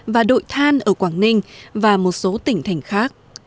và đội than ở quảng ninh và một số tỉnh thành khác